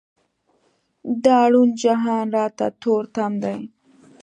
دا روڼ جهان راته تور تم دی.